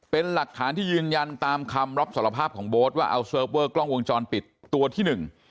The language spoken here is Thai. เป็นหลักฐานที่ยืนยันตามคำรับสารภาพของโบ๊ทว่าเอาเซิร์ฟเวอร์กล้องวงจรปิดตัวที่หนึ่ง